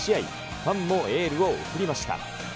ファンもエールを送りました。